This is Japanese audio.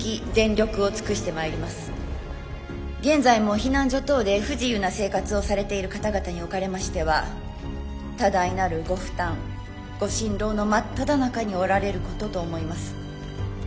現在も避難所等で不自由な生活をされている方々におかれましては多大なるご負担ご心労の真っただ中におられることと思います。